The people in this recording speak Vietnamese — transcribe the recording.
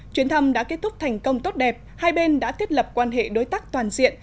chuyến thăm đã kết thúc thành công tốt đẹp hai bên đã thiết lập quan hệ đối tác toàn diện